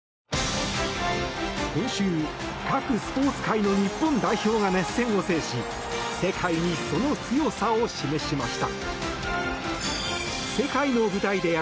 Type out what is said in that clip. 今週、各スポーツ界の日本代表が熱戦を制し世界に、その強さを示しました。